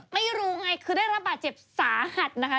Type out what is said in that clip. ไม่รู้ไงคือได้รับบาดเจ็บสาหัสนะคะ